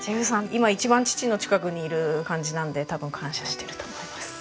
今一番父の近くにいる感じなので多分感謝してると思います。